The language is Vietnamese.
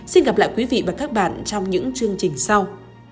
xin gặp lại quý vị và các bạn trong những chương trình sau